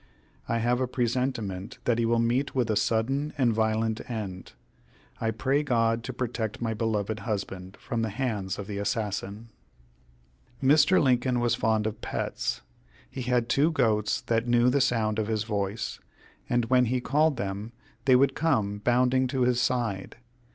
I have a presentiment that he will meet with a sudden and violent end. I pray God to protect my beloved husband from the hands of the assassin." Mr. Lincoln was fond of pets. He had two goats that knew the sound of his voice, and when he called them they would come bounding to his side.